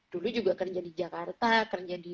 dulu juga kerja di jakarta kerja di